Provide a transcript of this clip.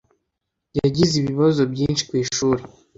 yagize ibibazo byinshi kwishuri